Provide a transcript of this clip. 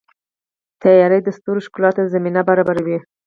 • تیاره د ستورو ښکلا ته زمینه برابروي.